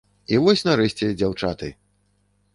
І вось нарэшце дзяўчаты!